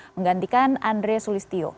menggantikan andre sulistio